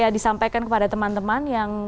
disampaikan kepada teman teman yang